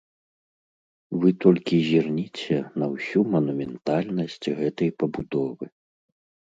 Вы толькі зірніце на ўсю манументальнасць гэтай пабудовы.